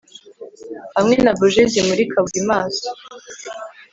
hamwe na buji zimurika buri maso ...